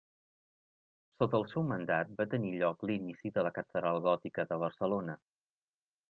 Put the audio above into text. Sota el seu mandat va tenir lloc l'inici de la catedral gòtica de Barcelona.